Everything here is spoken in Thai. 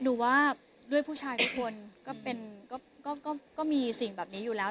หนูว่าด้วยผู้ชายทุกคนก็เป็นก็มีสิ่งแบบนี้อยู่แล้ว